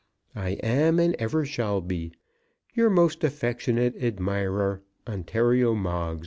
I am, and ever shall be, Your most affectionate admirer, ONTARIO MOGGS.